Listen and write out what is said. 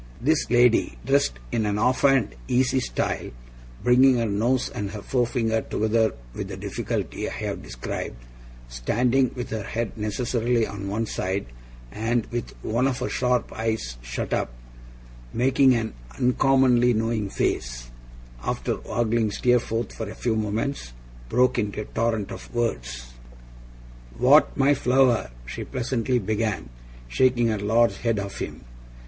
This lady dressed in an off hand, easy style; bringing her nose and her forefinger together, with the difficulty I have described; standing with her head necessarily on one side, and, with one of her sharp eyes shut up, making an uncommonly knowing face after ogling Steerforth for a few moments, broke into a torrent of words. 'What! My flower!' she pleasantly began, shaking her large head at him.